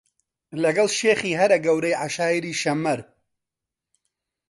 لەگەڵ شێخی هەرە گەورەی عەشایری شەممەڕ